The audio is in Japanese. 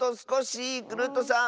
クルットさん